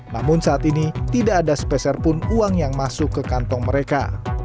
namun saat ini tidak ada speserpun uang yang masuk ke kantong mereka